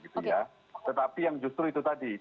tetapi yang justru itu tadi